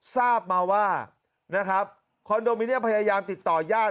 ทราบมาว่าคอนโดมิเนียร์พยายามติดต่อย่าด